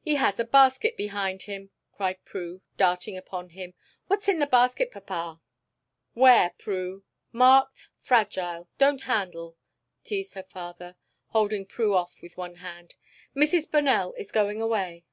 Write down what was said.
"He has a basket behind him," cried Prue, darting upon him. "What's in the basket, papa?" "'Ware, Prue! Marked: Fragile. Don't handle," teased her father, holding Prue off with one hand. "Mrs. Bonell is going away."